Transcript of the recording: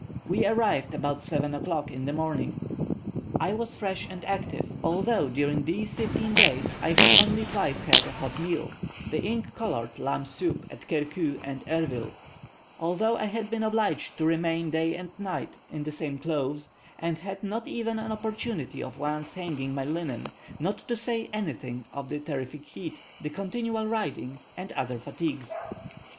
We arrived about 7 o'clock in the morning. I was fresh and active, although during these fifteen days I had only twice had a hot meal the ink coloured lamb soup at Kerku and Ervil; although I had been obliged to remain day and night in the same clothes, and had not even an opportunity of once changing my linen, not to say anything of the terrific heat, the continual riding, and other fatigues.